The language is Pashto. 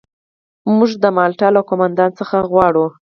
موږ د مالټا له قوماندان څخه غواړو.